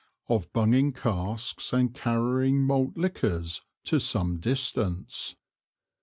Of Bunging Casks and Carrying of Malt Liquors to some distance.